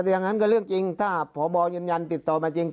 แต่อย่างนั้นก็เรื่องจริงถ้าพบยืนยันติดต่อมาจริง